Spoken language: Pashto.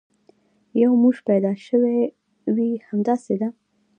یو موش پیدا شوی وي، همداسې ده.